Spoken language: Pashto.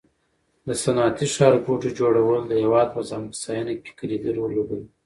د صنعتي ښارګوټو جوړول د هېواد په ځان بسیاینه کې کلیدي رول لوبوي.